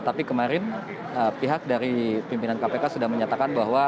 tapi kemarin pihak dari pimpinan kpk sudah menyatakan bahwa